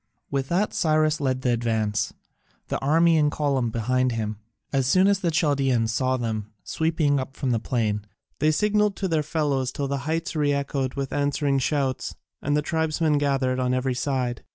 With that Cyrus led the advance, the army in column behind him. As soon as the Chaldaeans saw them sweeping up from the plain, they signalled to their fellows till the heights re echoed with answering shouts, and the tribesmen gathered on every side.